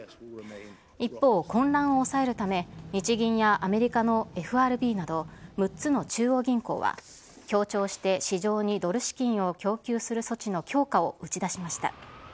一方、混乱を抑えるため、日銀やアメリカのＦＲＢなど、６つの中央銀行は、協調して、市場にドル資金を供給する措置の強化を打ち出しました。